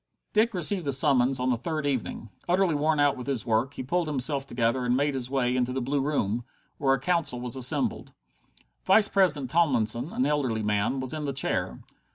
Dick received a summons on the third evening. Utterly worn out with his work, he pulled himself together and made his way into the Blue Room, where the Council was assembled. Vice president Tomlinson, an elderly man, was in the chair.